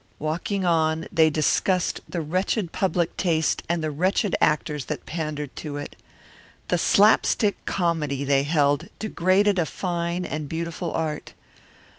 Walking on, they discussed the wretched public taste and the wretched actors that pandered to it. The slap stick comedy, they held, degraded a fine and beautiful art.